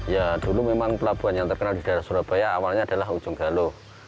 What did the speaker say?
ya dulu memang pelabuhan yang terkenal di daerah surabaya awalnya adalah ujung galuh